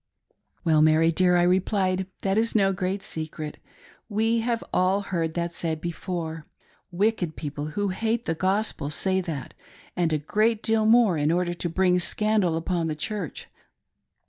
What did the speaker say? " Well, Mary dear," I replied, " that is no great secret. We have all heard that said before. Wicked people who hate the Gospel say that, and a great deal more, in order to bring scandal upon the Church ; but of course it isn't true."